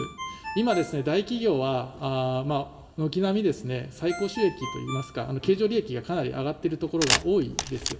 今ですね、大企業は軒並み、最高収益といいますか、経常利益がかなり上がっているところが多いんです。